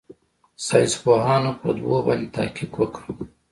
ساينسپوهانو په دو باندې تحقيق کړى.